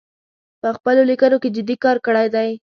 په خپلو لیکنو کې جدي کار کړی دی